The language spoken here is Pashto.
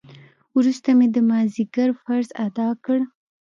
وروسته مې د مازديګر فرض ادا کړ.